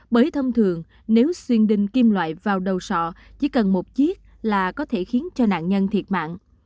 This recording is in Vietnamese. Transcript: bởi thông thường nếu xuyên đinh kim loại vào đầu sọ chỉ cần một chiếc là có thể khiến cho nạn nhân thiệt mạng